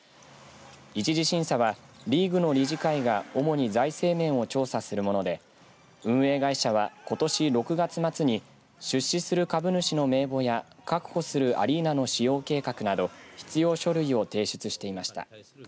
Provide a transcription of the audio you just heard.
１次審査は、リーグの理事会が主に財政面を調査するもので運営会社は、ことし６月末に出資する株主の名簿や確保するアリーナの使用計画など必要書類を提出していました。